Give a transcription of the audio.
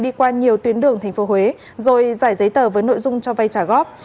đi qua nhiều tuyến đường tp huế rồi giải giấy tờ với nội dung cho vay trả góp